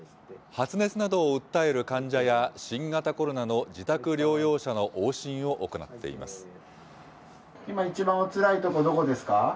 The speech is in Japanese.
発熱などを訴える患者や新型コロナの自宅療養者の往診を行っています。